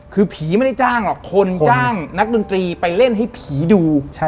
คือผีไม่ได้จ้างหรอกคนจ้างนักดนตรีไปเล่นให้ผีดู